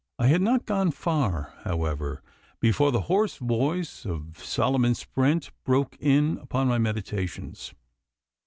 I had not gone far, however, before the hoarse voice of Solomon Sprent broke in upon my meditations.